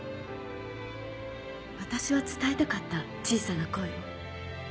わたしは伝えたかった小さな声を。